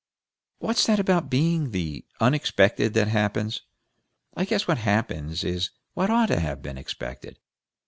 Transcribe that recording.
"What's that about being the unexpected that happens? I guess what happens is what ought to have been expected.